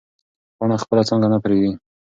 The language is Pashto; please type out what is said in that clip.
پاڼه خپله څانګه نه پرېږدي.